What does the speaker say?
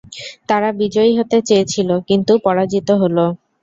তারা বিজয়ী হতে চেয়েছিল, কিন্তু পরাজিত হল।